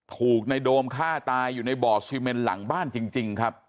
ถูกในโดมฆ่าตายอยู่ในบ่อซีเมนหลังบ้านจริงครับ